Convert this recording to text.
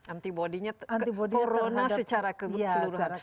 antibody nya corona secara keseluruhan